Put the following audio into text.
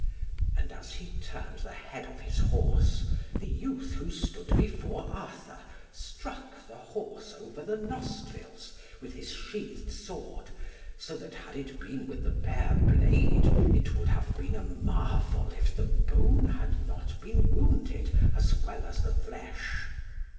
And as he turned the head of his horse, the youth who stood before Arthur struck the horse over the nostrils with his sheathed sword, so that had it been with the bare blade it would have been a marvel if the bone had not been wounded as well as the flesh.